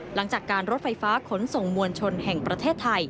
หลังจากการรถไฟฟ้าขนส่งมวลชนแห่งประเทศไทย